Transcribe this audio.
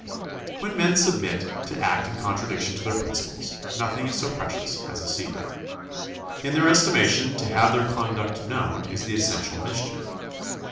When men submit to act in contradiction to their principles, nothing is so precious as a secret. In their estimation, to have their conduct known is the essential mischief.